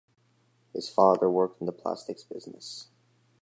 His father worked in the plastics business.